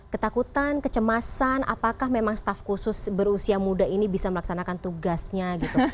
ketakutan kecemasan apakah memang staff khusus berusia muda ini bisa melaksanakan tugasnya gitu